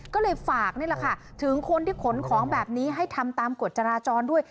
ก็เลยฝากนี่แหละค่ะถึงคนที่ขนของแบบนี้ให้ทำตามกฎจราจรด้วย